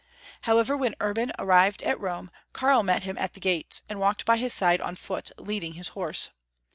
However, when Urban arrived at Rome, Karl met him at the gates, and walked by his side on foot, leading his horse.